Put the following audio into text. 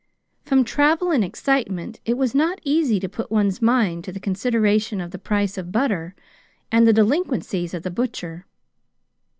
From travel and excitement it was not easy to put one's mind to the consideration of the price of butter and the delinquencies of the butcher.